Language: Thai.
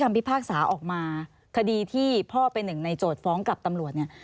พิพากษาออกมาคดีที่พ่อเป็นหนึ่งในโจทย์ฟ้องกับตำรวจเนี่ย